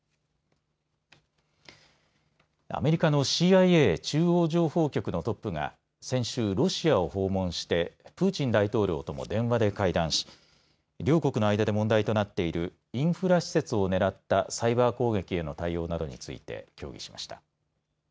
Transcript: アメリカのＣＩＡ・中央情報局のトップが先週、ロシアを訪問してプーチン大統領とも電話で会談し両国の間で問題となっているインフラ施設を狙ったサイバー攻撃への対応などについて協議しました。